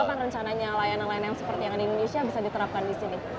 kapan rencananya layanan layanan seperti yang ada di indonesia bisa diterapkan di sini